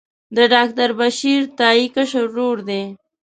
د ډاکټر بشیر تائي کشر ورور دی.